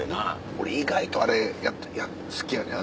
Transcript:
俺意外とあれ好きやねん。